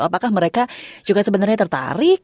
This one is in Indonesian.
apakah mereka juga sebenarnya tertarik